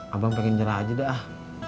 abang pengen nyerah aja dah